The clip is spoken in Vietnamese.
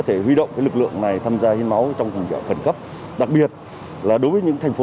thể huy động cái lực lượng này tham gia hít máu trong phần khẩn cấp đặc biệt là đối với những thành phố